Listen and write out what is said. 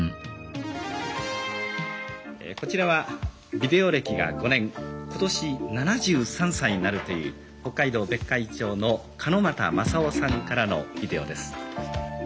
こちらはビデオ歴が５年今年７３歳になるという北海道別海町の鹿股政雄さんからのビデオです。